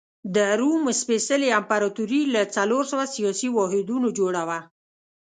د روم سپېڅلې امپراتوري له څلور سوه سیاسي واحدونو جوړه وه.